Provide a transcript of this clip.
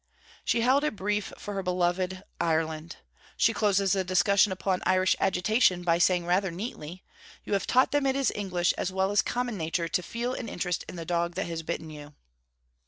She held a brief for her beloved Ireland. She closes a discussion upon Irish agitation by saying rather neatly: 'You have taught them it is English as well as common human nature to feel an interest in the dog that has bitten you.'